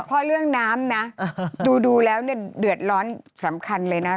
เพราะเรื่องน้ำนะดูแล้วเนี่ยเดือดร้อนสำคัญเลยนะ